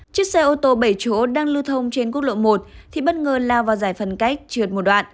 chiếc xe ô tô bảy chỗ đang lưu thông trên quốc lộ một thì bất ngờ lao vào giải phân cách trượt một đoạn